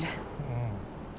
うん。